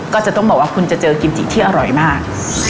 ก็จะต้องบอกว่าคุณจะเจอกิมจิที่อร่อยมาก